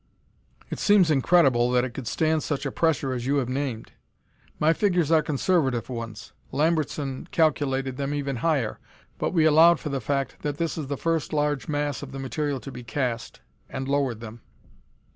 "It seems incredible that it could stand such a pressure as you have named." "My figures are conservative ones. Lambertson calculated them even higher, but we allowed for the fact that this is the first large mass of the material to be cast, and lowered them."